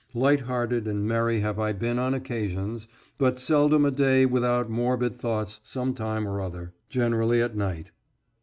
Light hearted and merry have I been on occasions, but seldom a day without morbid thoughts sometime or other, generally at night.